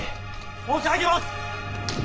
申し上げます！